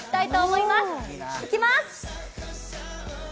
いきまーす！